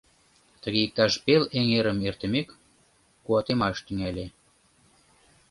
Тыге иктаж пел эҥерым эртымек, куатемаш тӱҥале.